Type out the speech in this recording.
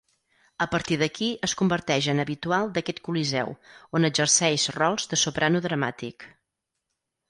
A partir d'aquí es converteix en habitual d'aquest coliseu, on exerceix rols de soprano dramàtic.